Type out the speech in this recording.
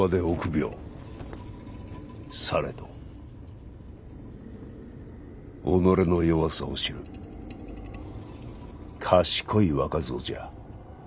されど己の弱さを知る賢い若造じゃ。